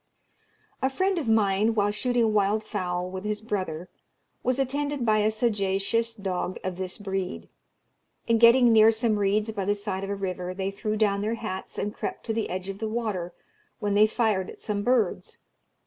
A friend of mine, while shooting wild fowl with his brother, was attended by a sagacious dog of this breed. In getting near some reeds by the side of a river, they threw down their hats, and crept to the edge of the water, when they fired at some birds.